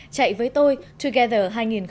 chạy với tôi together hai nghìn một mươi bảy